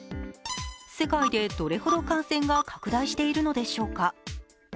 世界でどれほど感染が拡大しているのでしょうか。